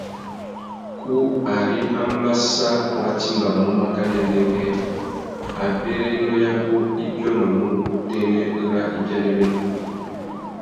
Kú ari ambassa wá timbamú maka ndêndêngüê, abérénô yabú i biônômú utênê râ ibianawénô.